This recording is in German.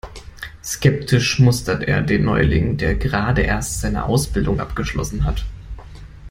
Skeptisch mustert er den Neuling, der gerade erst seine Ausbildung abgeschlossen hat.